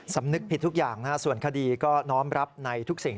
สำนึกผิดทุกอย่างส่วนคดีก็น้อมรับในทุกสิ่ง